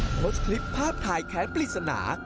โพสต์คลิปภาพถ่ายแค้นปริศนา